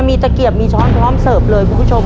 มีตะเกียบมีช้อนพร้อมเสิร์ฟเลยคุณผู้ชม